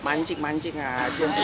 mancing mancing aja sih